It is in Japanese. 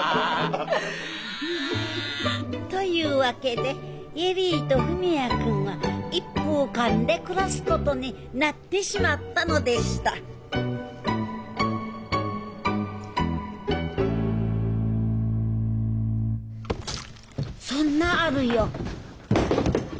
というわけで恵里と文也君は一風館で暮らすことになってしまったのでしたそんなある夜あれあれ！